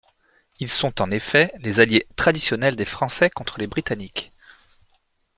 Ils sont en effet les alliés traditionnels des Français contre les Britanniques.